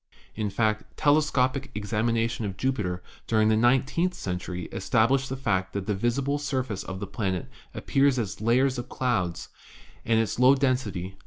In fact, telescopic examination of Jupiter during the nine teenth century established the fact that the visible surface of the planet appears as layers of clouds, and its low den sity, 1.